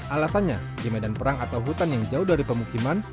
alasannya di medan perang atau hutan yang jauh dari pemukiman